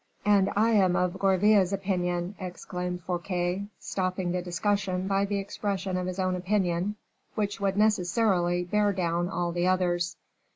"And I am of Gourville's opinion," exclaimed Fouquet, stopping the discussion by the expression of his own opinion, which would necessarily bear down all the others.